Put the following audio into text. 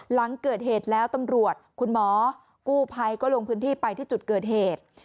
หลังเกิดเหตุแล้วตำรวจคุณหมอกู้ภัยก็ลงพื้นที่ไปที่จุดเกิดเหตุ